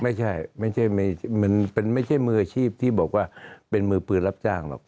ไม่ใช่ไม่ใช่มืออาชีพที่บอกว่าเป็นมือปืนรับจ้างหรอก